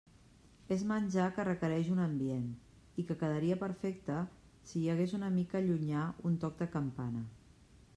És menjar que requereix un ambient, i que quedaria perfecte si hi hagués una mica llunyà un toc de campana.